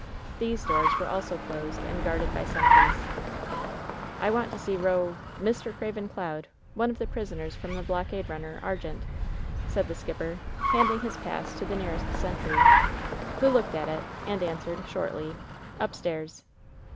These doors were also closed and guarded by sentries. "I want to see Ro — ^Mr. Craven Cloud, one of the pris oners from the blockade runner Argente/' said the skip per, handing his pass to the nearest sentry, who looked at it, and answered, shortly: "Upstairs."